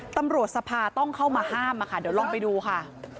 ตำรวจสภาต้องเข้ามาห้ามอะค่ะเดี๋ยวลองไปดูค่ะ